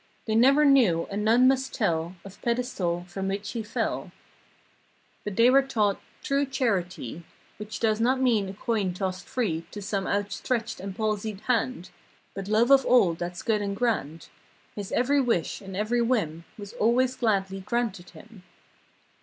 They never knew and none must tell Of pedestal from which he fell. 239 But they were taught true charity Which does not mean a coin tossed free To some out stretched and palsied hand— But love of all that's good and grand. His every wish and every whim Was always gladly granted him.